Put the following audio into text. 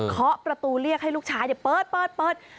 เคาะประตูเรียกให้ลูกชายเปิดเปิด